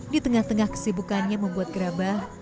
di tengah tengah kesibukannya membuat gerabah